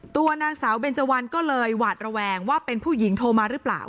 ตัวนางสาวเบนเจวันก็เลยหวาดระแวงว่าเป็นผู้หญิงโทรมาหรือเปล่า